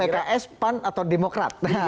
pks pan atau demokrat